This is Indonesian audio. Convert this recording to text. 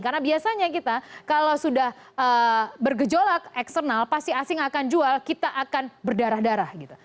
karena biasanya kita kalau sudah bergejolak eksternal pasti asing akan jual kita akan berdarah darah gitu